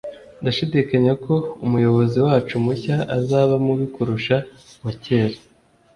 Ndashidikanya ko umuyobozi wacu mushya azaba mubi kurusha uwa kera